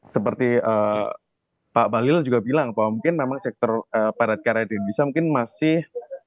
seperti pak bahlil juga bilang bahwa mungkin memang sektor padat karya di indonesia mungkin masih